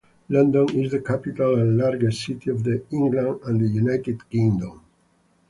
London is the capital and largest city of England and the United Kingdom.